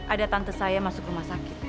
ada tante saya masuk rumah sakit